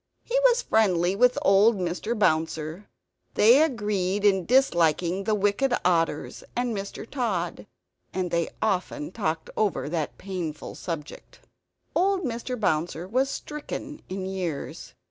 He was friendly with old Mr. Bouncer; they agreed in disliking the wicked otters and Mr. Tod; they often talked over that painful subject. Old Mr. Bouncer was stricken in years.